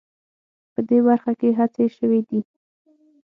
په دې برخه کې هڅې شوې دي